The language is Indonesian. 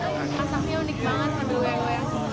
rasanya unik banget ada uang uang